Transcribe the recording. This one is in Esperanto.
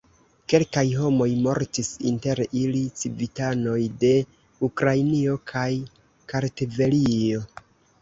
Kelkaj homoj mortis, inter ili civitanoj de Ukrainio kaj Kartvelio.